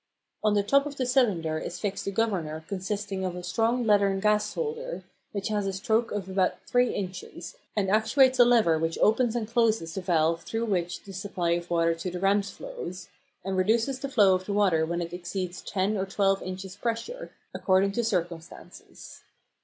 On the top of the cylinder is fixed a governor consisting of a strong leathern gas holder, which has a stroke of about three inches, and actuates a lever which opens and closes the valve through which the supply of water to the rams flows, and reduces the flow of the water when it exceeds ten or twelve inches pressure, according to circumstances.